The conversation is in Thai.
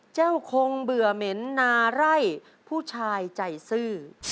คงเบื่อเหม็นนาไร่ผู้ชายใจซื่อ